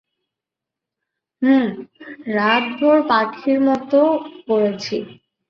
হু, রাতভর পাখির মতো পড়েছি।